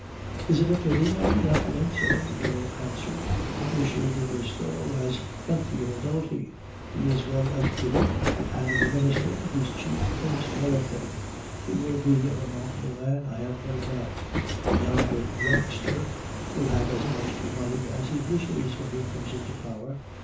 "Is it a pity? I do not think so," the girl answered. "M. de Restaud has plenty of ability; he is well educated, and the Minister, his chief, thinks well of him. He will be a remarkable man, I have no doubt. 'Yonder youngster' will have as much money as he wishes when he comes into power."